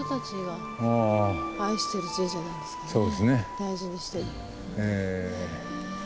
大事にしている。